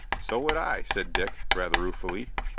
"So would I," said Dick, rather ruefully.